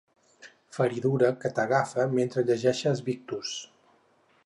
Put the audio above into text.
Feridura que t'agafa mentre llegeixes Victus.